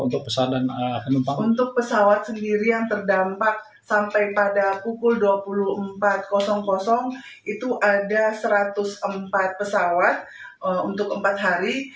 untuk pesawat sendiri yang terdampak sampai pada pukul dua puluh empat itu ada satu ratus empat pesawat untuk empat hari